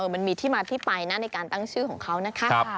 มันมีที่มาที่ไปนะในการตั้งชื่อของเขานะคะ